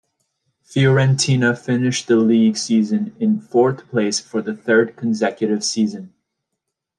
Fiorentina finished the league season in fourth place for the third consecutive season.